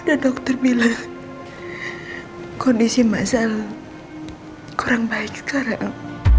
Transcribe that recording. dan dokter bilang kondisi masal kurang baik sekarang